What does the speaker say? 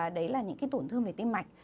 đấy là những tổn thương về tim mạch